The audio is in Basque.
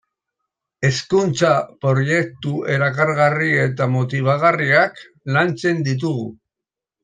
Hezkuntza-proiektu erakargarri eta motibagarriak lantzen ditugu.